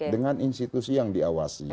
dengan institusi yang diawasi